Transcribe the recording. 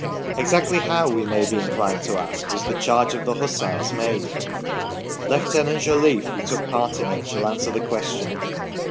Exactly how, we may be inclined to ask, was the charge of the Hussars made ? Lieutenant Jolliffe, who took part in it, shall answer the question.